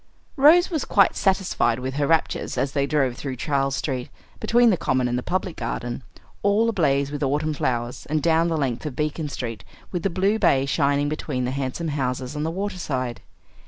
Rose was quite satisfied with her raptures as they drove through Charles Street, between the Common and the Public Garden, all ablaze with autumn flowers, and down the length of Beacon Street with the blue bay shining between the handsome houses on the water side.